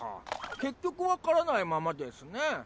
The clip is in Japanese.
結局わからないままですね。